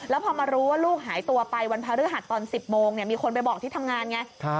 แล้วพอมารู้ว่าลูกหายตัวไปวันพระฤหัสตอน๑๐โมงมีคนไปบอกที่ทำงานไง